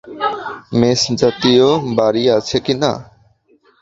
মেসজিাতীয় বাড়ি আছে কি না।